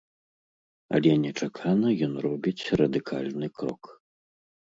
Але нечакана ён робіць радыкальны крок.